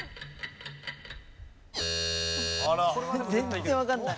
全然わからない。